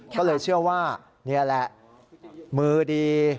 ก็เลยเชื่อว่านี่แหละมือดี